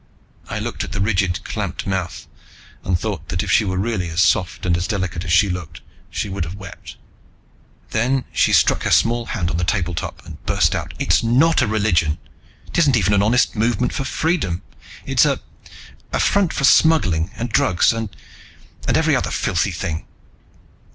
I looked at the rigid, clamped mouth and thought that if she were really as soft and delicate as she looked, she would have wept. Then she struck her small hand on the tabletop and burst out, "It's not a religion. It isn't even an honest movement for freedom! Its a a front for smuggling, and drugs, and and every other filthy thing!